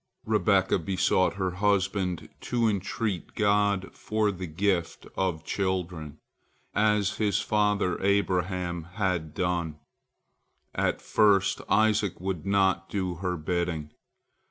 Rebekah besought her husband to entreat God for the gift of children, as his father Abraham had done. At first Isaac would not do her bidding.